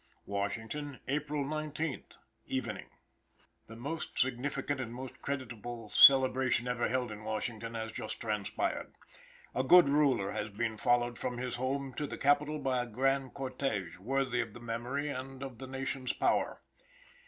Washington, April 19, (Evening). The most significant and most creditable celebration ever held in Washington has just transpired. A good ruler has been followed from his home to the Capitol by a grand cortege, worthy of the memory and of the nation's power.